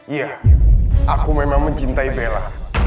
iya aku memang mencintai bella